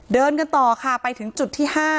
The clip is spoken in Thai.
เดินกันต่อค่ะไปถึงจุดที่๕